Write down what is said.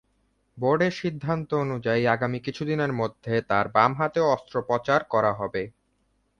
বোর্ডের সিদ্ধান্ত অনুযায়ী, আগামী কিছুদিনের মধ্যে তাঁর বাম হাতেও অস্ত্রোপচার করা হবে।